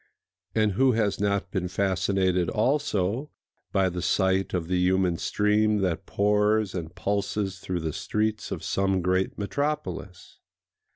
And who has not been fascinated also by the sight of the human stream that pours and pulses through the streets of some great metropolis?